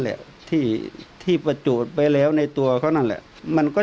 ฮ่าฮ่าฮ่าฮ่าฮ่าฮ่าฮ่าฮ่า